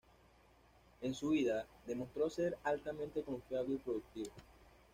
En su vida, demostró ser altamente confiable y productiva.